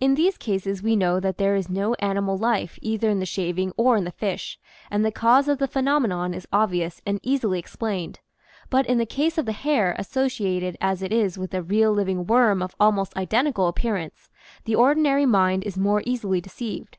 In these cases we know that there is no animal life either in the shaving or in the fish, and the cause of the phe nomenon is obvious and easily explained; but in the case of the hair, associated as it is with a real living worm of almost identical appearance, the ordinary mind is more easily deceived.